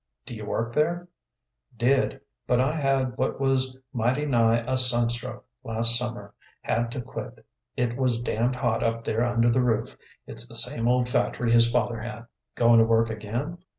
"Do you work there?" "Did, but I had what was mighty nigh a sunstroke last summer; had to quit. It was damned hot up there under the roof. It's the same old factory his father had." "Goin' to work again?"